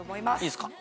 いいっすか？